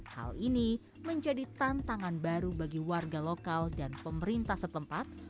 hal ini menjadi tantangan baru bagi warga lokal dan pemerintah setempat